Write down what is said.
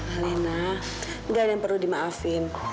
alena nggak ada yang perlu dimaafin